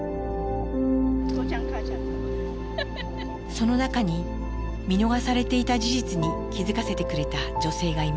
その中に見逃されていた事実に気付かせてくれた女性がいます。